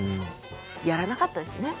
やらなかったですね。